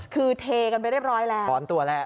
คือเทกันไปเรียบร้อยแล้วถอนตัวแล้ว